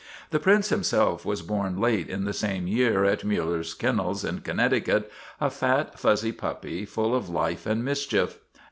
The Prince him self was born late in the same year at Miiller's Kennels in Connecticut, a fat, fuzzy puppy, full of life and mischief.